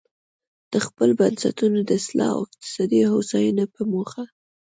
د خپلو بنسټونو د اصلاح او اقتصادي هوساینې په موخه.